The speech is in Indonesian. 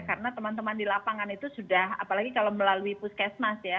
karena teman teman di lapangan itu sudah apalagi kalau melalui puskesmas ya